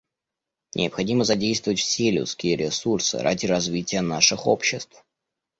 Необходимо задействовать все людские ресурсы ради развития наших обществ.